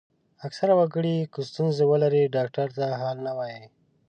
اکثره وګړي که ستونزه ولري ډاکټر ته حال نه وايي.